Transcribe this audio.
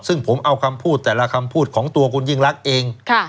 ซึ่งผมเอาคำพูดแต่ละคำพูดของตัวคุณยิ่งรักเอง